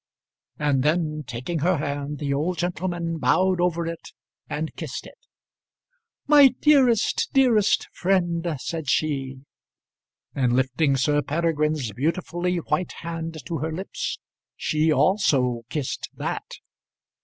And then taking her hand, the old gentleman bowed over it and kissed it. "My dearest, dearest friend!" said she; and lifting Sir Peregrine's beautifully white hand to her lips she also kissed that.